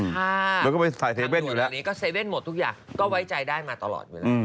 ถ้าทางดูดแบบนี้ก็เซเว่นหมดทุกอย่างก็ไว้ใจได้มาตลอด